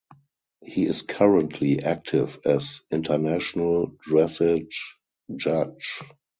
He is currently active as international dressage judge.